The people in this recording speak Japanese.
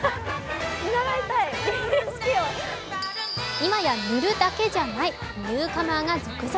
今や塗るだけじゃない、ニューカマーが続々。